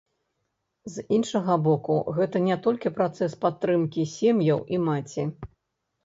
З іншага боку, гэта не толькі працэс падтрымкі сем'яў і маці.